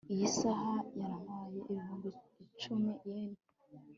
iyi saha yantwaye ibihumbi icumi yen